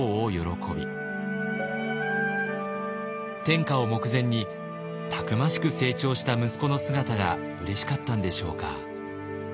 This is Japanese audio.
天下を目前にたくましく成長した息子の姿がうれしかったんでしょうか。